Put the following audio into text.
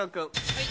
はい。